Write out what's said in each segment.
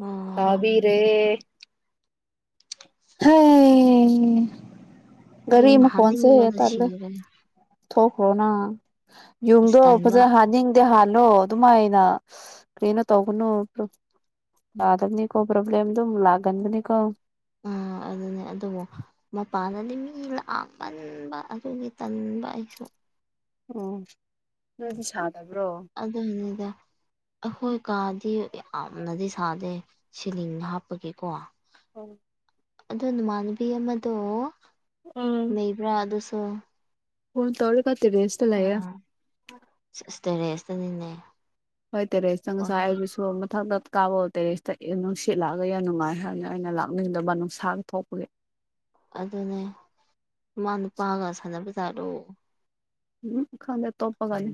ꯑꯣ ꯇꯥꯕꯤꯔꯦ ꯍ ꯌ ꯍꯅꯤꯡꯕꯗ ꯁꯤꯔꯦ ꯊꯣꯛꯈ꯭ꯔꯣꯅꯪ ꯑꯁ ꯌꯨꯡꯗꯣ ꯇꯟꯕ ꯐꯖꯅ ꯍꯥꯅꯤꯡꯗꯦ ꯍꯥꯜꯂꯣ ꯑꯗꯨꯃꯥꯏꯅ ꯀꯩꯅꯣ ꯇꯧꯒꯅꯨꯣ ꯂꯗꯅꯤ ꯀꯣ ꯄꯣꯂꯦꯝ ꯑꯗꯨ ꯂꯒꯟꯗ ꯅ ꯀꯣ ꯑ ꯑꯗꯨꯅꯦ ꯑꯗꯨꯣ ꯃꯄꯥꯟꯗꯗꯤ ꯃꯤ ꯂꯥꯛꯑꯃꯟꯕ ꯑꯗꯨꯒꯤ ꯇꯟꯕ ꯑꯩꯁꯨ ꯎꯝ ꯁꯥ ꯑꯗꯨꯗꯗ ꯑꯩꯈꯣꯏ ꯀꯥꯗꯤ ꯌꯥꯝꯅꯗꯤ ꯁꯥꯗꯦ ꯁꯤꯂꯤꯡ ꯍꯥꯞꯄꯒꯤꯀꯣ ꯑꯣ ꯑꯣ ꯅꯃꯥꯟꯅꯕꯤ ꯑꯃꯗꯣ ꯂꯩꯕ꯭ꯔꯥ ꯑꯗꯨ ꯍꯨ ꯇꯧꯔ ꯀꯇ ꯔꯦꯁꯇꯂ ꯑꯥ ꯑꯁ ꯇꯦꯔꯦꯁꯇꯅꯤꯅꯦ ꯍꯣꯏ ꯇꯔꯦ ꯍꯣꯏ ꯆꯪꯉꯁ ꯍꯥꯏꯗꯨꯁꯨ ꯃꯊꯪꯛꯇ ꯀꯥꯕꯣꯜ ꯇꯦꯔꯤꯦꯁꯇ ꯅꯨꯡ ꯁꯤꯠꯂꯛꯑꯒ ꯌꯥꯝ ꯅꯨꯡꯉꯥꯏ ꯍꯥꯏꯕꯅ ꯑꯩꯅ ꯂꯥꯛꯅꯤꯡꯗꯕ ꯅꯨꯡꯁꯥ ꯊꯣꯛꯄꯒꯤ ꯑꯗꯨꯅꯦ ꯏꯃ ꯅꯨꯄꯥꯒ ꯁꯥꯟꯅꯕꯖꯥꯠꯂꯣ ꯎꯝ ꯈꯥꯟꯗꯦ ꯇꯣꯞꯄꯒꯅꯤ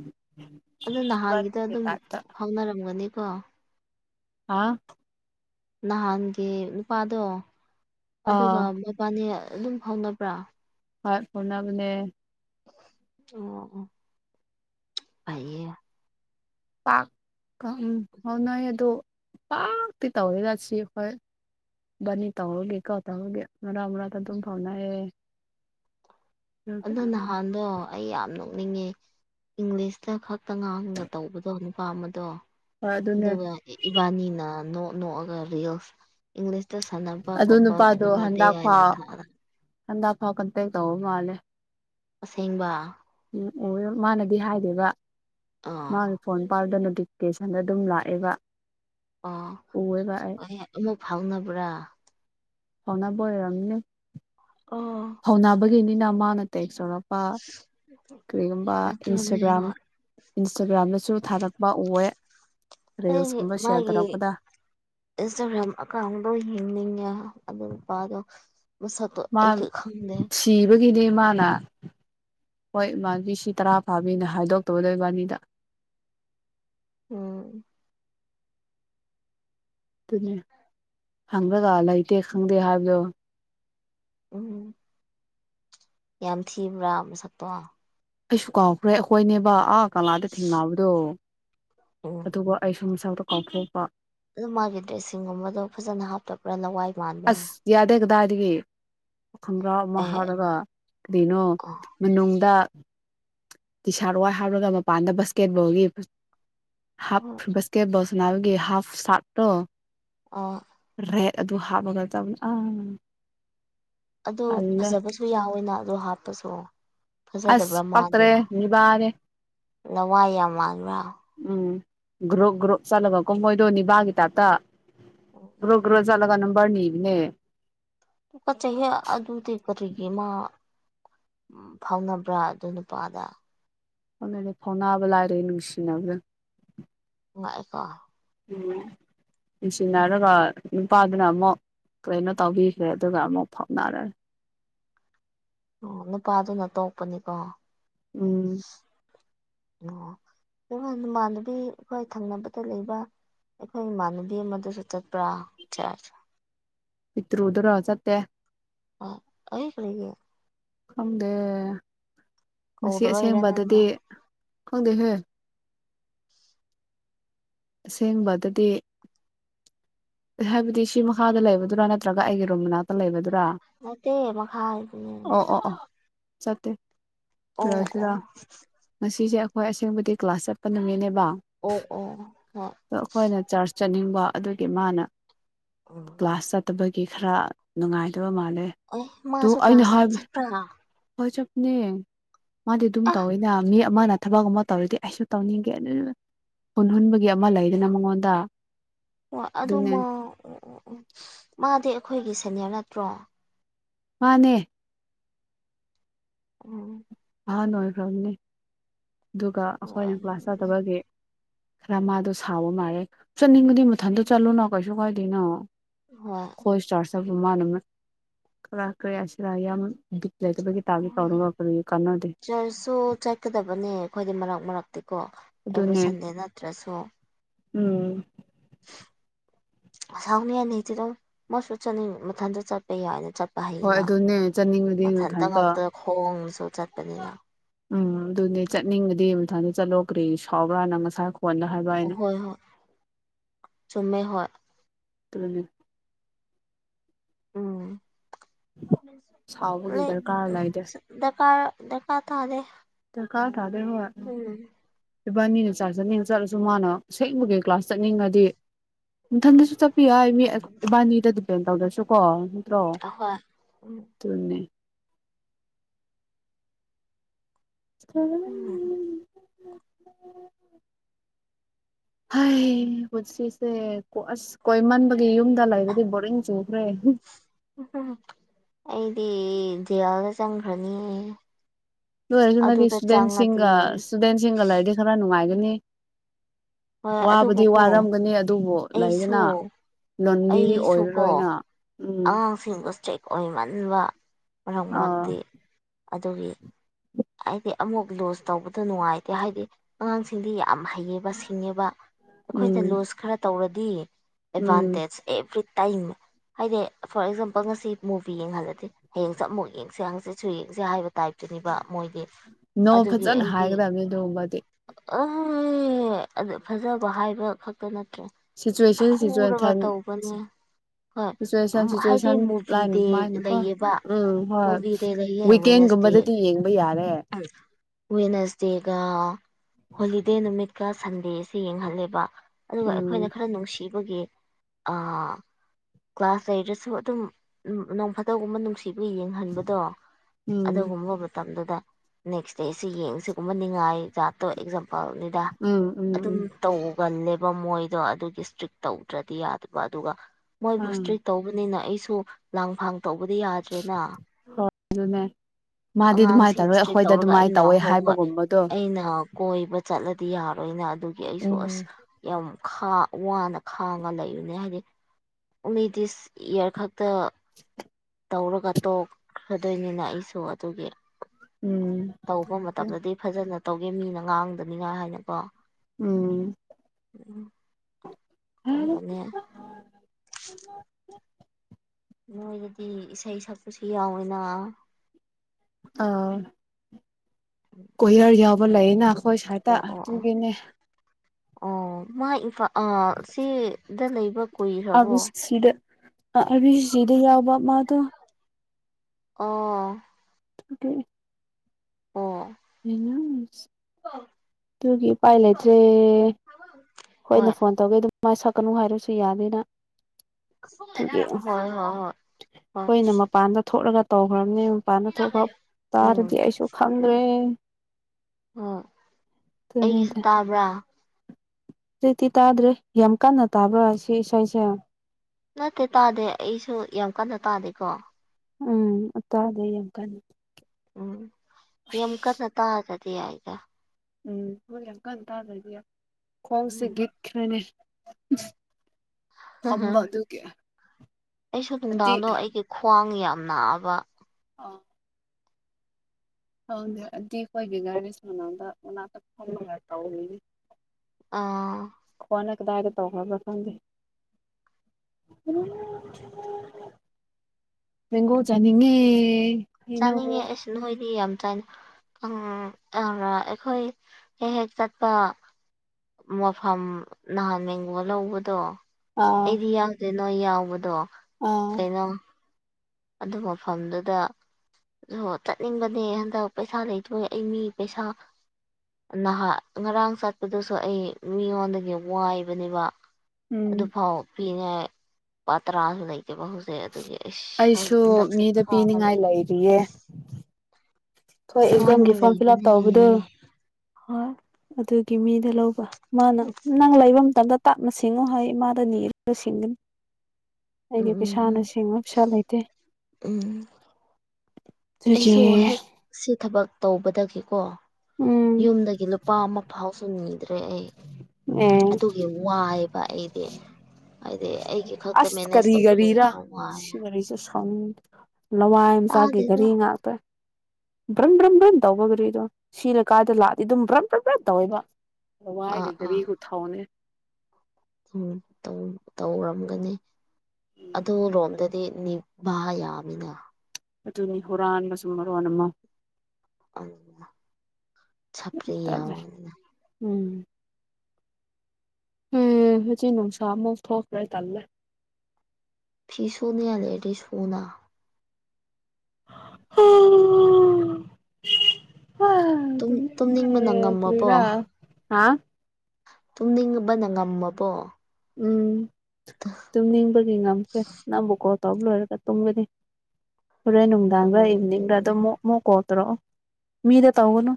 ꯑꯗꯨ ꯅꯍꯥꯟꯒꯤꯗ ꯏꯕꯥꯅꯤꯒꯤ ꯑꯗꯨꯝ ꯇꯥꯏꯞꯇ ꯐꯥꯎꯅꯔꯝꯒꯅꯤꯀꯣ ꯑꯥ ꯅꯍꯥꯟꯒꯤ ꯅꯨꯄꯥꯗꯣ ꯑꯥ ꯑꯗꯨꯒ ꯃꯕꯥꯅꯤ ꯑꯗꯨꯝ ꯐꯥꯎꯅꯕ꯭ꯔꯥ ꯍ ꯐꯅꯕꯅꯦ ꯑꯣ ꯑꯏ ꯄ ꯎꯝ ꯍꯥꯎꯅꯩ ꯑꯗꯣ ꯄꯥꯛꯇꯤ ꯇꯧꯋꯦ ꯆꯥꯁꯤ ꯍꯣꯏ ꯅꯤ ꯇ ꯍꯒꯦ ꯀ ꯇ ꯍꯒꯦ ꯃꯔꯔ ꯃꯔꯥ ꯇ ꯑꯗꯨꯝ ꯐꯥꯎꯅꯥꯑꯌꯦꯦ ꯑꯗꯣ ꯅꯍꯥꯟꯗꯣ ꯑꯩ ꯌꯥꯝ ꯅꯨꯡ ꯀꯛꯅꯤꯡꯉꯦ ꯏꯪꯂꯤꯁꯇ ꯈꯛꯇ ꯉꯥꯡꯒ ꯇꯧꯕꯗꯣ ꯅꯨꯄꯥ ꯑꯃꯗꯣ ꯑꯗꯨꯅꯦ ꯑꯗꯨꯒ ꯏꯕꯥꯅꯤꯅ ꯅꯣꯛ ꯅꯣꯛꯑꯒ ꯔꯤꯜꯁ ꯏꯪꯂꯤꯁ ꯁꯥꯟꯅꯄꯥ ꯑꯗꯨ ꯀꯣꯄ ꯊꯅꯗꯤꯦ ꯍꯥꯏꯅ ꯊꯥꯔ ꯍꯟꯗ ꯐꯥꯎ ꯀꯟꯇ ꯇꯧꯕ ꯃꯥꯜꯂꯦ ꯑꯁꯦꯡꯕ ꯎꯝ ꯑꯣ ꯃꯥꯅꯗꯤ ꯍꯥꯏꯗꯦꯕ ꯑꯥ ꯃꯥꯒꯤ ꯐꯣꯟ ꯄꯥꯔꯗꯅ ꯤꯀꯦꯁꯟꯗ ꯑꯗꯨꯝ ꯂꯥꯛꯑꯦꯕ ꯑꯣ ꯎꯑꯦꯕ ꯑꯩ ꯍꯣꯏ ꯑꯃꯨꯛ ꯐꯥꯎꯅꯕ꯭ꯔꯥ ꯐꯥꯎꯅꯕ ꯑꯣꯏꯔꯝꯅꯦ ꯑꯣ ꯐꯥꯎꯅꯕꯒꯤꯅꯤꯅ ꯃꯥ ꯅ ꯇꯦ ꯑꯆꯣꯅꯄꯥ ꯀꯔꯤꯒꯨꯝꯕ ꯑꯗꯨꯅꯦ ꯏꯟꯁꯇꯥꯒ꯭ꯔꯥꯝ ꯍꯣꯏ ꯏꯟꯁꯇꯥꯒ꯭ꯔꯥꯝꯗꯁꯨ ꯊꯥꯔꯛꯄ ꯑꯩ ꯔꯤꯜꯁꯀꯨꯝꯕ ꯁꯤꯌꯔ ꯃꯥꯒꯤ ꯇꯧꯔꯛꯄꯗ ꯏꯟꯁꯇꯒ꯭ꯔꯥꯝ ꯑꯦꯀꯥꯎꯟꯗꯣ ꯌꯦꯡꯅꯤꯡꯉꯦ ꯑꯗꯨꯅꯨꯄꯥꯗꯣ ꯃꯁꯛꯇꯣ ꯑꯩ ꯈꯪꯗꯦ ꯒꯤꯗꯤ ꯃꯥꯅ ꯍꯣꯏ ꯃꯥꯒꯤ ꯁꯤ ꯇꯔꯥ ꯐꯥꯕꯤꯅ ꯍꯥꯏꯗꯣꯛꯇꯕꯗꯣ ꯏꯕꯥꯅꯤꯗ ꯎꯝ ꯑꯗꯨ ꯍꯪꯕꯒ ꯂꯩꯇꯦ ꯈꯪꯗꯦ ꯍꯥꯏꯕꯗꯣ ꯎꯝ ꯌꯥꯝ ꯊꯤꯕ꯭ꯔꯥ ꯃꯁꯛꯇꯣ ꯑꯩꯁꯨ ꯀꯥꯎꯈ꯭ꯔꯦ ꯑꯩꯈꯣꯏꯅꯦꯕ ꯑꯥ ꯀꯪꯂꯥꯗ ꯊꯦꯡꯅꯕꯗꯣ ꯎꯝ ꯑꯗꯨꯒ ꯑꯩꯁꯨ ꯃꯁꯛꯇꯣ ꯀꯥꯎꯊꯣꯛꯄ ꯑꯗꯨ ꯃꯥꯒꯤ ꯗ꯭ꯔꯦꯁꯁꯤꯡꯒꯨꯝꯕꯗꯣ ꯐꯖꯅ ꯍꯥꯞꯇꯕ꯭ꯔꯥ ꯂꯋꯥꯏ ꯃꯥꯟꯕ꯭ꯔꯥ ꯑꯁ ꯌꯥꯗꯦ ꯀꯗꯥꯏꯗꯒꯤ ꯈꯪꯒ꯭ꯔꯥꯥꯎ ꯑꯃ ꯑꯦ ꯍꯥꯞ ꯔꯒ ꯀꯩꯅꯣ ꯃꯅꯨꯡꯗ ꯇꯤꯁꯥꯔꯠ ꯋꯥꯏꯠ ꯍꯥꯞꯔꯒ ꯃꯄꯥꯟꯗ ꯕꯁꯀꯦꯠꯕꯣꯜꯒꯤ ꯎꯝ ꯍꯥꯐ ꯕꯤꯁꯀꯦꯠꯕꯣꯜꯁꯅꯥꯕꯒꯤ ꯍꯥꯞ ꯁꯥꯔꯠꯇꯣ ꯑ ꯔꯦꯠ ꯑꯗꯨ ꯍꯥꯞꯄꯒ [inaudible] ꯑꯗꯣ ꯇꯜꯂꯦ ꯐꯖꯕꯁꯨ ꯌꯥꯎꯋꯦꯅ ꯑꯗꯣ ꯍꯥꯞꯄꯁꯨ ꯐꯖꯗꯕ꯭ꯔꯥ ꯑꯁ ꯄꯛꯇ꯭ꯔꯦ ꯃꯥꯖꯦ ꯅꯤꯕꯥꯅꯦ ꯂꯋꯥꯏ ꯌꯥꯝ ꯃꯕ꯭ꯔꯥ ꯎ ꯒ꯭ꯔꯨꯞ ꯒ꯭ꯔꯨꯞ ꯆꯠꯂꯒꯀꯣ ꯃꯣꯏꯗꯣ ꯅꯤꯕꯥꯒꯤ ꯇꯥꯏꯄ ꯇ ꯒ꯭ꯔꯨꯞ ꯒ꯭ꯔꯣ ꯆꯠꯂ [inaudible] [inaudible] ꯑꯗꯨ ꯑꯗꯨꯗꯤ ꯀꯔꯤꯒꯦ ꯃꯥ ꯎ ꯐꯥꯎꯅꯕ꯭ꯔ ꯑꯗꯨ ꯅꯨꯄꯥꯗꯣ ꯑꯗꯨꯗꯤ ꯐꯥꯎꯅꯥꯕ ꯂꯥꯏꯔꯦ ꯅꯨꯡꯁꯤꯅꯕ꯭ꯔ ꯉ ꯉꯥꯛꯑꯀꯣ ꯎꯝ ꯅꯨꯡꯁꯤꯟꯅꯔꯒ ꯅꯨꯄꯥꯗꯨꯅ ꯑꯃꯨꯛ ꯀꯩꯅꯣ ꯇꯧꯕꯤꯈ꯭ꯔꯦ ꯑꯗꯨꯒ ꯑꯃꯨꯛ ꯐꯥꯎꯅꯔꯦ ꯑꯣ ꯅꯨꯄꯥꯗꯨꯅ ꯇꯣꯛꯄꯅꯤꯀꯣ ꯎꯝ ꯑꯣ ꯅꯃꯥꯟꯅꯕꯤ ꯑꯩꯈꯣꯏ ꯊꯪꯅꯕꯗ ꯂꯩꯕ ꯑꯩꯈꯣꯏ ꯏꯃꯥꯟꯅꯕꯤ ꯑꯃꯗꯨꯁꯨ ꯆꯠꯄ꯭ꯔꯥ ꯏ ꯎꯆꯦ ꯄꯤꯛꯇꯔꯨ ꯗꯨꯔꯣ ꯆꯠꯇꯦ ꯑ ꯑꯩ [inaudible] ꯈꯪꯗꯦ ꯃꯁꯤ ꯀꯧꯗꯕꯩꯔ ꯅꯪꯅ ꯑꯁꯦꯡꯕꯗꯗꯤ ꯈꯪꯗꯦꯍꯦ ꯑꯁꯦꯡꯕꯗꯗꯤ ꯍꯥꯏꯕꯗꯤ ꯁꯤ ꯃꯈꯥꯗ ꯂꯩꯕꯗꯨꯔꯥ ꯅꯠꯇ꯭ꯔꯒ ꯑꯩꯒꯤ ꯔꯨꯝ ꯃꯅꯥꯛꯇ ꯂꯩꯕꯗꯨꯔꯥ ꯅꯠꯇꯦ ꯃꯈꯥ [inaudible] ꯉꯁꯤ ꯁꯦ ꯑꯩꯈꯣꯏ ꯑꯁꯦꯡꯕꯨꯗꯤ ꯀ꯭ꯂꯥꯁ ꯆꯠꯄ ꯅꯨꯃꯤꯠꯅꯦꯕ ꯑꯗꯣ ꯑꯣ ꯑꯣ ꯍꯣꯏ ꯑꯩꯈꯣꯏꯅ ꯆꯥꯔꯖ ꯆꯠꯅꯤꯡꯕ ꯑꯗꯨꯒꯤ ꯃꯥꯅ ꯎꯝ ꯀ꯭ꯂꯥꯁ ꯆꯠꯇꯕꯒꯤ ꯈꯔ ꯅꯨꯡꯉꯥꯏꯗꯕ ꯃꯥꯜꯂꯦ ꯑꯦ ꯃꯥꯁꯨ ꯑꯩꯅ ꯀ꯭ꯂꯥꯁ ꯆꯠꯄ꯭ꯔꯥ ꯍꯥꯏꯕꯅꯦ ꯅꯦ ꯃꯥꯗꯤ ꯑꯗꯨꯝ ꯑ ꯇꯧꯋꯤꯅꯦ ꯃꯤ ꯑꯃ ꯅ ꯊꯕꯛ ꯑꯃ ꯇꯧꯔꯗꯤ ꯑꯩꯁꯨ ꯇꯧꯅꯤꯡꯒꯦ ꯑꯗꯨ ꯍꯨꯟ ꯍꯨꯟꯕꯒꯤ ꯑꯃ ꯂꯩꯗꯅ ꯃꯉꯣꯟꯗ ꯑꯣ ꯑꯗꯨꯅꯦ ꯑꯗꯨꯃ ꯃꯥꯗꯤ ꯑꯩꯈꯣꯏꯒꯤ ꯁꯦꯅꯤꯌꯔ ꯅꯠꯇ꯭ꯔꯣ ꯃꯥꯅꯦ ꯎꯝ ꯑꯍꯟ ꯑꯣꯏꯈ꯭ꯔꯕꯅꯤ ꯑꯗꯨꯒ ꯑꯩꯈꯣꯏꯅ ꯀ꯭ꯂꯥꯁ ꯆꯥꯠꯇꯕꯒꯤ ꯈꯔ ꯃꯥꯗꯣ ꯁꯥꯎꯕ ꯃꯥꯜꯂꯦ ꯆꯠꯅꯤꯡꯕꯗꯤ ꯃꯊꯟꯇꯣ ꯆꯠꯂꯨꯅꯣ ꯀꯩꯁꯨ ꯀꯥꯏꯗꯦꯅ ꯑ ꯕ ꯃꯥꯅ ꯀꯔ ꯀ ꯑꯁꯤꯗ ꯌꯥꯝ ꯗꯤꯛ ꯂꯩꯇꯕꯒꯤ ꯇꯥꯛꯗꯤ ꯀꯧꯔꯒ ꯆꯔꯆꯁꯨ ꯆꯠꯀꯗꯕꯅꯦ ꯑꯩꯈꯣꯏꯗꯤ ꯃꯔꯛ ꯃꯔꯛ ꯀꯣ ꯑꯦꯕ꯭ꯔꯤ ꯑꯗꯨꯅꯦ ꯁꯟꯗꯦ ꯅꯠꯇ꯭ꯔꯁꯨ ꯎꯝ ꯁꯥꯎꯅꯤ ꯍꯥꯏꯅꯤꯁꯤꯗꯣ ꯃꯣꯏꯁꯨꯠ ꯆꯠꯅꯤ ꯃꯊꯟꯇ ꯆꯠꯄꯩ ꯌꯥꯏ ꯍꯥꯏꯅ ꯆꯠꯄ ꯍꯣꯏ ꯃꯍꯩꯅ ꯑꯗꯨꯅꯦ ꯆꯠꯅꯤꯡꯉꯗꯤ ꯃꯊꯟꯇ ꯃꯊꯟꯇꯃꯛꯇ ꯈꯣꯡꯁꯨ ꯆꯠꯄꯅꯤꯅ ꯎꯝ ꯑꯗꯨꯅꯦ ꯆꯠꯅꯤꯡꯕꯗꯤ ꯃꯊꯪꯗ ꯆꯠꯂꯣ ꯀ꯭ꯔꯤ ꯁꯥꯎꯕ꯭ꯔꯥꯅꯪ ꯉꯁꯥꯏ ꯈꯣꯟꯗ ꯍꯥꯏꯕ ꯑꯩꯅ ꯍꯣꯏ ꯍꯣꯏ ꯆꯃꯦ ꯍꯣꯏ ꯇꯔꯕꯤ ꯎꯝ ꯁꯥꯎꯕꯒꯤ ꯗꯔꯀꯥꯔ ꯂꯩꯇꯦ ꯂꯩꯗ ꯀꯥꯔ ꯗ ꯄꯥ ꯇꯗꯦ ꯇ ꯀꯥ ꯇꯥꯗꯦ ꯍ ꯏꯕꯥꯅꯤꯅ ꯆꯥꯛ ꯆꯠꯅꯤꯡꯉ ꯆꯠꯂꯁꯨ ꯃꯥꯅ ꯑꯁꯦꯡꯕꯒꯤ ꯀ꯭ꯂꯥꯁ ꯆꯠꯅꯤꯡꯉꯗꯤ ꯏꯊꯟꯗꯁꯨ ꯆꯠꯄꯤꯌꯨ ꯑꯩ ꯃꯤ ꯏꯕꯥꯅꯤꯗ ꯗꯤꯄꯦꯟ ꯇꯧꯗ꯭ꯔꯁꯨ ꯀꯣ ꯔꯣ ꯑꯍꯣꯏ ꯎꯝ ꯇꯅꯤ ꯎꯝ ꯎꯝ ꯍ ꯍꯧꯠ ꯁꯤꯁꯦ ꯑꯁ ꯀꯣꯏꯃꯟꯕꯒꯤ ꯌꯨꯝꯗ ꯂꯩꯔꯗꯤ ꯕꯣꯔꯤꯡꯁꯨ ꯎ ꯑꯩꯗꯤ ꯖꯦꯜꯗ ꯆꯪꯈ꯭ꯔꯅꯤ ꯂꯣꯏꯔꯁꯨ ꯅꯪꯗꯤ ꯑꯗꯨꯗ ꯆꯪꯉꯗꯤ ꯏꯁꯇꯨꯗꯦꯟꯁꯤꯡꯒ ꯏꯁꯇꯨꯗꯦꯟꯁꯤꯡꯒ ꯂꯩꯔꯗꯤ ꯈꯔ ꯅꯨꯡꯉꯥꯏꯒꯅꯤ ꯍꯣꯏ ꯋꯥꯕꯗꯤ ꯑꯗꯨꯕꯨꯀꯣ ꯋꯥꯔꯝꯒꯅꯤ ꯑꯗꯨꯕꯨ ꯑꯩꯁꯨ ꯂꯩꯗꯅ ꯂꯣꯟꯗꯤꯗꯤ ꯑꯩꯁꯨ ꯀꯣ ꯑꯣꯏꯔꯔꯣꯏꯅ ꯎꯝ ꯑꯉꯥꯡꯁꯤꯡꯗꯣ ꯏꯁꯇ꯭ꯔꯤꯛ ꯑꯣꯏꯃꯟꯕ ꯃꯔꯛ ꯑꯥ ꯃꯔꯛꯇꯤ ꯑꯗꯨꯒꯤ ꯍꯥꯏꯗꯤ ꯑꯃꯨꯛ ꯂꯨꯁ ꯇꯧꯕꯗ ꯅꯨꯡꯉꯥꯏꯇꯦ ꯍꯥꯏꯗꯤ ꯑꯉꯥꯡꯁꯤꯡꯗꯤ ꯌꯥꯝ ꯍꯩꯌꯦꯕ ꯁꯤꯡꯉꯦꯕ ꯎꯝ ꯑꯩꯈꯣꯏꯅ ꯂꯨꯁ ꯈꯔ ꯇꯧꯔꯗꯤ ꯎꯝ ꯑꯦꯗꯚꯇꯦꯖ ꯑꯦꯚꯔꯤ ꯇꯥꯏꯝ ꯍꯥꯏꯗꯤ ꯐꯣꯔ ꯑꯦꯛꯖꯥꯝꯄꯜ ꯉꯁꯤ ꯃꯨꯚꯤ ꯌꯦꯡꯍꯜꯂꯗꯤ ꯍꯌꯦꯡ ꯆꯞ ꯑꯃꯨꯛ ꯌꯦꯡꯁꯦ ꯍꯪꯆꯤꯠ ꯁ ꯌꯦꯡꯁꯦ ꯍꯥꯏꯕ ꯇꯥꯏꯞꯇꯨꯅꯤ ꯃꯣꯏꯗꯤ ꯅꯣ ꯑꯗꯨꯒꯤ ꯐꯖꯅ ꯑꯩꯗꯤ ꯍꯥꯏꯒꯗꯕꯅꯤ ꯑꯗꯨꯒꯨꯝꯕꯗꯤ ꯑ ꯑꯦ ꯑꯗꯨ ꯐꯖꯕ ꯍꯥꯏꯕ ꯈꯛꯇ ꯅꯠꯇꯦ ꯁꯤꯆꯨꯋꯦꯁꯟ ꯍꯣꯏ ꯁꯤꯆ ꯍꯥꯏꯗꯤ ꯁꯆꯨꯋꯁꯟ ꯃꯨꯚꯤ ꯂꯥꯏꯅ ꯗꯦ ꯃꯥꯏꯅ ꯀꯣ ꯂꯩꯌꯦꯕ ꯎꯝ ꯃꯨꯚꯤ ꯗꯦ ꯂꯩꯌꯦ ꯍꯣꯏꯋꯤꯦꯟ ꯋꯦꯅꯁꯗꯦ ꯨꯒꯨꯝꯕꯗꯗꯤ ꯌꯦꯡꯕ ꯌꯥꯔꯦ ꯋꯦꯅꯁꯗꯦꯒ ꯍꯣꯂꯤꯗꯦ ꯅꯨꯃꯤꯠꯀ ꯁꯟꯗꯦꯁꯤ ꯌꯦꯡꯍꯜꯂꯦꯕ ꯑꯗꯨꯒ ꯎꯝ ꯑꯩꯈꯣꯏꯅ ꯈꯔ ꯅꯨꯡꯁꯤꯕ ꯑꯩꯒꯤ ꯀ꯭ꯂꯥꯁ ꯂꯩꯔꯁꯨ ꯑꯗꯨꯝ ꯅꯣꯡ ꯐꯥꯗꯒꯨꯝꯕ ꯅꯨꯡꯁꯤ ꯄꯕꯨ ꯌꯦꯡꯍꯟꯕꯗꯣ ꯎꯝ ꯑꯗꯨꯒꯨꯝꯕ ꯃꯇꯝꯗꯨꯗ ꯅꯦꯛꯁ ꯗꯦꯁꯤ ꯌꯦꯡꯁꯤꯒꯨꯝꯕ ꯉꯥꯏ ꯖꯥꯠꯇꯣ ꯑꯦꯛꯖꯥꯝꯄ ꯄꯅꯤꯗ ꯎꯝ ꯎꯝ ꯑꯗꯨꯝ ꯎꯝ ꯇꯧ ꯀꯜꯂꯦꯕ ꯃꯣꯏꯗꯣ ꯑꯗꯨꯒꯤ ꯏꯁꯇ꯭ꯔꯤꯛ ꯇꯧꯗ꯭ꯔꯗꯤ ꯌꯥꯗꯕ ꯑꯗꯨꯒ ꯃꯣꯏꯕꯨ ꯑꯥ ꯏꯁꯇ꯭ꯔꯤꯛ ꯇꯧꯕꯅꯤꯅ ꯑꯩꯁꯨ ꯂꯥꯡꯐꯥꯡ ꯇꯧꯕꯗꯤ ꯌꯥꯗ꯭ꯔꯦꯅ ꯍꯣꯏ ꯑꯗꯨꯅꯦ ꯃꯥꯗꯤ ꯑꯗꯨꯃꯥꯏꯅ ꯑꯉꯥꯡꯁꯤꯡꯅ ꯇꯧꯔꯣꯏ ꯏꯁꯇ꯭ꯔꯤꯛ ꯑꯩꯈꯣꯏꯗ ꯇꯧꯔꯒ ꯑꯗꯨꯃꯥꯏꯅ ꯑꯩꯅ ꯇꯧꯋꯦ ꯑꯍꯣꯡꯕ ꯍꯥꯏꯕꯒꯨꯝꯕꯗꯣ ꯑꯩꯅ ꯀꯣꯏꯕ ꯆꯠꯂꯗꯤ ꯌꯥꯔꯣꯏꯅ ꯑꯗꯨꯒꯤ ꯑꯩꯁꯨ ꯑꯁ ꯎꯝ ꯌꯥꯝ ꯋꯥꯅ ꯈꯥꯡꯉ ꯂꯩꯔꯨꯅꯦ ꯍꯥꯏꯗꯤ ꯑꯣꯡꯂꯤ ꯗꯤꯁ ꯏꯌꯥꯔ ꯈꯛꯇ [inaudible] [unintelligible] ꯇꯧꯔꯒ ꯇꯣꯛꯈꯗꯣꯏꯅꯤꯅ ꯑꯩꯁꯨ ꯑꯗꯨꯒꯤ ꯎꯝ ꯇꯧꯕ ꯃꯇꯝꯗꯗꯤ ꯐꯖꯅ ꯇꯧꯒꯦ ꯃꯤꯅ ꯉꯥꯡꯗꯅꯤꯉꯥꯏ ꯍꯥꯏꯅꯀꯣ ꯎꯝ ꯎꯝ ꯇꯕꯅꯤ ꯃꯣꯏꯗꯗꯤ ꯏꯁꯩ ꯁꯛꯄꯁꯨ ꯌꯥꯎꯋꯦꯅ ꯑ ꯀꯣꯌꯔ ꯌꯥꯎꯕ ꯂꯩꯌꯦꯅ ꯑꯩꯈꯣꯏ ꯁ꯭ꯋꯥꯗ ꯑꯣ ꯑꯣ ꯑꯣ ꯑꯗꯨꯒꯤꯅꯦ ꯑꯣ ꯃꯥ ꯏꯝꯐꯥꯜ ꯁꯤꯗ ꯂꯩꯕ ꯀꯨꯏꯈ꯭ꯔꯕꯣ ꯑꯕꯤꯁꯤꯗ ꯑꯕꯤꯖꯤꯗ ꯌꯥꯎꯕ ꯃꯥꯗꯣ ꯑꯣ ꯑꯣꯀꯦ ꯑꯣ ꯍꯩꯅ ꯑꯗꯨꯒꯤ ꯎꯄꯥꯏ ꯂꯩꯇ꯭ꯔꯦ ꯍꯣꯏꯅ ꯍꯣꯏ ꯐꯣꯟ ꯇꯧꯒꯦ ꯑꯗꯨꯝ ꯃꯥꯏ ꯁꯛꯀꯅꯨ ꯍꯥꯏꯔꯁꯨ ꯌꯥꯗꯦꯅ ꯍꯣꯏ ꯑꯗꯨꯒꯤ ꯍꯣꯏ ꯍꯣꯏ ꯍꯣꯏ ꯑꯩꯈꯣꯏꯅ ꯃꯄꯥꯟꯗ ꯊꯣꯛꯂꯒ ꯈꯝꯅꯤ ꯃꯄꯥꯟꯅ ꯊꯣꯛꯄ ꯇꯥꯔꯗꯤ ꯎꯝ ꯑꯩꯁꯨ ꯈꯪꯗ꯭ꯔꯦ ꯑꯣ ꯑꯩꯒꯤꯁꯨ ꯇꯥꯕ꯭ꯔꯥ ꯁꯦꯛꯇꯤ ꯇꯥꯗ꯭ꯔꯦ ꯌꯥꯝ ꯀꯟꯅ ꯇꯥꯕ꯭ꯔꯥ ꯁꯤ ꯏꯁꯥ ꯏꯁꯥ ꯅꯠꯇꯦ ꯇꯥꯗꯦ ꯑꯩꯁꯨ ꯌꯥꯝ ꯀꯟꯅ ꯇꯥꯗꯦꯀꯣ ꯎꯝ ꯇꯣꯗꯦ ꯌꯥꯝ ꯀꯅꯤ ꯎꯝ ꯌꯥꯝ ꯀꯅ ꯇꯥꯖꯗꯤꯒ ꯎꯝ ꯍꯣꯏ ꯌꯥꯝꯪꯀ ꯇꯥꯗꯗꯤ ꯈ꯭ꯋꯥꯣꯡꯁꯦ ꯎꯝ ꯒꯤꯠꯈ꯭ꯔꯅꯦ ꯈꯪꯝꯕ ꯑꯗꯨꯨ ꯀꯦ ꯑꯩꯁꯨ ꯅꯨꯡꯗꯥꯡꯗꯣ ꯑꯩꯒꯤ ꯈ꯭ꯋꯥꯡ ꯌꯥꯝ ꯅꯥꯕ ꯑꯥ ꯍꯅꯦ ꯑꯗꯨꯇꯤ ꯑꯩꯈꯣꯏꯒꯤ ꯉꯔꯅꯦꯁ ꯃꯅꯥꯗ ꯃꯅꯥꯇ ꯐꯣꯡꯃꯒ ꯇꯧꯅꯤꯅꯦ ꯑꯥ ꯀꯗꯥꯒ ꯇꯧꯁ ꯌꯦꯉꯣ ꯆ ꯅꯤꯡꯉꯦ ꯆꯥꯅꯤꯡꯉꯦ ꯑꯁ ꯅꯣꯏꯗꯤ ꯌꯥꯝ ꯑꯗꯨꯃꯥꯏꯅ ꯑꯩꯈꯣꯏ ꯍꯦꯛ ꯍꯦꯛ ꯆꯠꯄ ꯃꯐꯝ ꯅꯍꯥꯟ ꯃꯦꯟꯒꯨꯝꯕ ꯂꯧꯕꯗꯣ ꯑꯥ ꯑꯩꯗꯤ ꯌꯥꯎꯗꯣꯏꯅꯣ ꯌꯥꯎꯕꯗꯣ ꯑꯥ ꯀꯩꯅꯣꯝ ꯑꯗꯨ ꯃꯐꯝꯗꯨꯗ ꯑꯗꯣ ꯆꯠꯅꯤꯡꯕꯅꯦ ꯍꯟꯗꯛ ꯄꯩꯁꯥ ꯂꯩꯗꯣꯏ ꯑꯩ ꯃꯤ ꯄꯩꯁꯥ ꯅꯍꯥꯛ ꯉꯔꯥꯡ ꯆꯠꯄꯗꯨꯁꯨ ꯑꯩ ꯃꯤꯉꯣꯟꯗꯒꯤ ꯋꯥꯏꯕꯅꯦꯕ ꯎꯝ ꯑꯗꯨꯐꯥꯎ ꯄꯤꯉꯥꯏ ꯄ ꯇꯔꯥꯁꯨ ꯂꯩꯇꯦ ꯁꯦ ꯑꯗꯨꯒꯤ ꯑꯁ ꯁꯨ ꯍꯟꯗꯛꯇꯤ ꯃꯤꯗ ꯈꯥꯡꯉ ꯄꯤꯅꯤꯡꯉꯥꯏ ꯂꯩꯕꯅꯤ ꯂꯩꯔꯤꯌꯦ ꯍꯣꯏ ꯑꯦꯛꯖꯥꯝꯒꯤ ꯐꯣꯔꯝ ꯐꯤꯜ ꯑꯞ ꯇꯧꯕꯗꯨꯣ ꯍꯣꯏ ꯑꯗꯨꯒꯤ ꯃꯤꯗ ꯂꯧꯕ ꯃꯥꯅ ꯅꯪ ꯂꯩꯕ ꯃꯇꯝꯗ ꯇꯥꯞꯅ ꯁꯤꯡꯉꯣ ꯍꯥꯏ ꯃꯥꯗ ꯅꯤꯔꯒ ꯁꯤꯡꯒꯅꯤ ꯎꯝ ꯑꯩꯒꯤ ꯄꯩꯁꯥꯅ ꯎꯝ ꯁꯦꯡꯕ ꯄꯩꯁꯥ ꯂꯩꯇꯦ ꯎꯝ ꯑꯗꯨꯒꯤ ꯑꯩꯁꯨ ꯍꯦꯛ ꯁꯤ ꯊꯕꯛ ꯇꯧꯕꯗꯒꯤꯀꯣ ꯎꯝ ꯌꯨꯝꯗꯒꯤ ꯂꯨꯄꯥ ꯑꯃ ꯐꯥꯎꯁꯨꯅꯤꯗ꯭ꯔꯦ ꯦ ꯑꯩ ꯑꯦ ꯑꯗꯨꯒꯤ ꯋꯥꯑꯕ ꯑꯩꯗꯤ ꯍꯥꯏꯗꯤ ꯑꯩꯒꯤ ꯈꯛꯇ ꯑꯁ ꯃꯦꯅꯦꯖ ꯀꯔꯤ ꯀꯔꯤꯔ ꯇꯧꯕꯅꯤꯅꯀꯣ ꯋꯥꯏ ꯁꯤ ꯋꯥꯔꯤꯔꯤ ꯆ ꯁ ꯂꯋꯥꯏ ꯌꯟꯆꯥꯛꯀꯤ ꯇꯥꯗꯦꯗ ꯘꯔꯤ ꯉꯥꯛꯇꯦ ꯕ꯭ꯔꯝ ꯕ꯭ꯔꯝ ꯕ꯭ꯔꯝ ꯇꯧꯕꯒꯤꯗꯔꯤꯗꯣ ꯁꯤ ꯂꯩ ꯀꯥꯏꯗ ꯂꯥꯛꯇꯗꯤ ꯑꯗꯨꯝ ꯕ꯭ꯔꯝ ꯕ꯭ꯔꯝ ꯕ꯭ꯔꯝ ꯇꯧꯋꯦꯕ ꯑꯋꯥꯒ ꯑꯥ ꯑꯥ ꯔꯤ ꯀꯨ ꯊꯎꯅꯦ ꯇꯧꯔꯝꯒꯅꯤ ꯑꯗꯨ ꯂꯣꯝꯗ ꯅꯤ ꯌꯥꯃꯤꯅ ꯑꯗꯨꯆ ꯍꯔꯥꯟ ꯂ ꯁꯨꯝ ꯃꯔꯔꯣ ꯋꯥ ꯅꯃ ꯑꯗꯨ ꯆꯄꯔꯤ ꯇꯜꯂꯦ ꯌꯥꯝꯅ ꯎꯝ ꯎꯝ ꯍꯧꯖꯤꯛ ꯅꯨꯡꯁꯥ ꯃꯨꯥꯎ ꯊꯣꯛꯈ꯭ꯔꯦ ꯇꯜꯂꯦ ꯐꯤꯁꯅꯌꯥ ꯂꯦꯗꯤꯁ ꯍꯨꯅꯥ [unintelligible] ꯍꯥ ꯇꯨꯝ ꯇꯨꯃꯅꯦ ꯇꯨꯝꯅꯤꯡꯕꯅ ꯀ꯭ꯔꯔꯤ ꯇꯨꯝꯅꯤꯡꯕꯅꯥ ꯉꯝꯃꯕꯣ ꯎꯝ ꯇꯨꯝ ꯅꯤꯡꯕꯒꯤ ꯉꯝꯈ꯭ꯔꯦ ꯅꯪꯕꯨꯀꯣ ꯇꯧ ꯂꯣꯏꯔꯒ ꯇꯨꯝꯒꯅꯤ ꯍꯣꯔꯦꯟ ꯇꯨꯝꯃꯣ ꯅꯨꯡꯗꯥꯡꯒꯔ ꯏꯚꯤꯅꯤꯡꯒ꯭ꯔ ꯇꯨꯝꯃꯣ ꯑꯗꯨꯝ ꯃꯣꯛꯀꯣ ꯅꯇꯔꯣ ꯃꯤꯗ ꯇꯒꯅ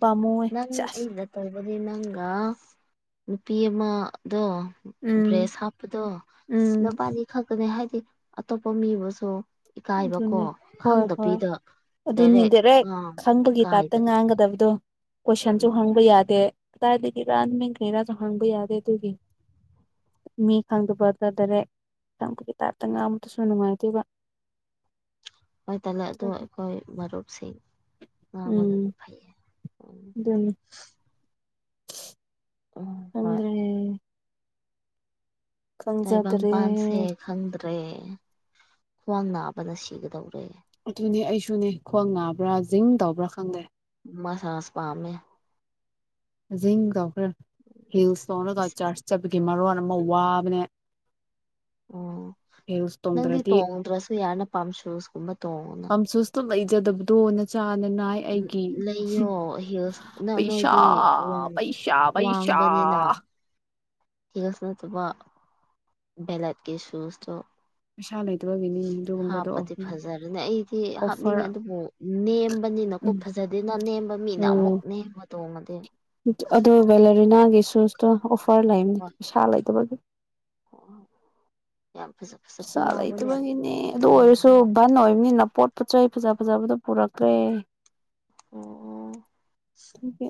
ꯄꯥꯝꯃꯨꯋꯦ ꯅꯪ ꯁꯦꯁ ꯑꯩꯅꯥ [unintelligible] ꯃ ꯪꯒꯥ ꯅꯨꯄꯤ ꯑꯃꯗ‌ꯣ ꯎꯝ ꯕ꯭ꯔꯦꯁ ꯍꯥꯞꯄꯗꯣ ꯎꯝ ꯁꯤꯅꯕꯥꯅꯤ ꯈꯛꯇꯅꯦ ꯍꯥꯏꯗꯤ ꯑꯇꯣꯞꯄ ꯃꯤꯕꯨꯁꯨ ꯏꯀꯥꯏꯕꯀꯣ ꯑꯗꯨꯅꯦ ꯍꯣꯏ ꯍꯣꯏ ꯈꯪꯗꯕꯤꯗ ꯗꯥꯏꯔꯦꯛ ꯑꯥ ꯈꯥꯡꯕꯒꯤ ꯇꯥꯏꯞꯇ ꯉꯥꯡꯒꯗꯕꯗꯣ ꯀꯣꯏꯁꯟꯁꯨ ꯎꯝ ꯍꯪꯕ ꯌꯥꯗꯦ ꯀꯗꯥꯏꯗꯒꯤꯔꯥ ꯂ ꯅꯪ ꯀꯔꯤꯔꯥꯁꯨ ꯍ‌ꯪꯕ ꯌꯥꯗꯦ ꯇ‌ꯨꯒꯤ ꯃꯤ ꯈꯪꯗꯕꯒ ꯗꯔꯦꯛ ꯈꯪꯕꯒꯤ ꯇꯥꯏꯞꯇ ꯉꯥꯡꯕꯗꯨꯁꯨ ꯅꯨꯡꯉꯥꯏꯇꯦꯕ ꯍꯣꯏ ꯇꯥꯗ ꯑꯩꯈꯣꯏ ꯃꯔꯔꯨꯞꯨꯞꯁꯤꯡ ꯃꯗ ꯎꯝ ꯅꯐꯥꯏ ꯑꯗꯨꯅꯤ ꯎꯝ ꯍꯣꯏ ꯈꯪꯗ꯭ꯔꯦ ꯈꯪꯖꯗ꯭ꯔꯦ ꯇꯥꯏꯕꯪꯄꯥꯟꯁꯦ ꯈꯪꯗ꯭ꯔꯦ ꯈ꯭ꯋꯥꯡ ꯅꯥꯕꯅ ꯁꯤꯒꯗꯧꯔꯦ ꯑꯗꯨꯅꯦ ꯑꯩꯁꯨꯅꯦ ꯈ꯭ꯋꯥꯡ ꯅꯥꯕ꯭ꯔꯥ ꯖꯤꯡ ꯇꯧꯕ꯭ꯔꯥ ꯈꯪꯗꯦ ꯃꯥꯁꯥꯁ ꯄꯥꯝꯃꯦ ꯑꯖꯤꯛ ꯅꯨꯝꯗꯥꯡ ꯍꯤꯜꯁꯇꯧꯅ ꯏꯁ ꯆꯥꯔꯆ ꯆꯠꯄꯒꯤ ꯃꯔꯣꯟ ꯑꯃ ꯋꯥꯕꯅꯦ ꯑꯣ ꯍꯤꯜꯁ ꯅꯪꯗꯤ ꯇꯣꯡꯗ꯭ꯔꯗꯤ ꯇꯣꯡꯗ꯭ꯔꯁꯨ ꯌꯥꯅ ꯄꯥꯝꯁꯨꯁꯀꯨꯝꯕ ꯑꯝꯁꯨꯁꯇ ꯂꯩꯖꯗꯕꯗꯣꯅ ꯆ ꯍꯥꯟꯅꯅꯅꯥꯏ ꯑꯩꯒꯤ ꯂꯩꯌꯣ ꯍꯤꯜꯁ ꯅꯪ ꯄꯩꯁꯥ ꯅꯣꯏꯗꯤ ꯄꯩꯁꯥ ꯄꯩꯁꯥ ꯒꯤꯅꯥ [inaudible] ꯍꯤꯒꯁꯅ ꯊꯕ ꯕꯦꯂꯠꯦ ꯁꯨꯁ ꯇꯣ ꯃꯁꯥ ꯍꯥꯞꯄꯗꯤ ꯐꯖꯔꯦꯅꯦ ꯑꯩꯗꯤ ꯍꯥꯞꯅꯤꯡꯉꯦ ꯑꯣꯐꯔ ꯑꯗꯨꯕꯨ ꯅꯦꯝꯕꯅꯤꯅꯀꯣ ꯎꯝ ꯐꯖ ꯗꯤ ꯅ ꯅꯦꯝꯕ ꯃꯤꯅ ꯑꯃꯨꯛ ꯅꯦꯝꯕ ꯇꯣꯡꯉꯗꯤ ꯑꯗꯨꯣ ꯕꯦꯂꯦꯔꯤꯅꯥꯒꯤ ꯁꯨꯁꯇꯣ ꯑꯣꯐꯔ ꯂꯩꯕꯅꯤ ꯋꯥ ꯄꯩꯁꯥ ꯂꯩꯇꯕꯒꯤ ꯑꯣ ꯌꯥꯝ ꯐꯖ ꯐꯖꯕ ꯄꯩꯁꯥ ꯌꯥꯎꯕꯅꯦ ꯂꯩꯇꯕꯒꯤꯅꯦ ꯑꯗꯨ ꯑꯣꯏꯔꯁꯨ ꯕꯟ ꯑꯣꯏꯕꯅꯤꯅ ꯄꯣꯠ ꯄꯣꯠꯆ ꯆꯩ ꯐꯖ ꯐꯖꯕꯗꯣ ꯄꯨꯔꯛꯛꯇ꯭ꯔꯦ ꯎꯝ ꯎꯝ ꯑꯗꯨꯒꯤ